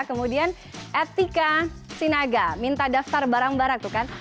kemudian etika sinaga minta daftar barang barang tuh kan